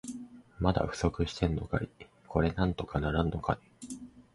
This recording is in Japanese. まだ不足してんのかい。これなんとかならんのかね。